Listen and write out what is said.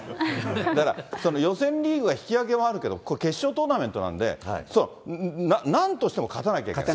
だから、予選リーグは引き分けもあるけど、決勝トーナメントなんで、なんとしても勝たなきゃいけない。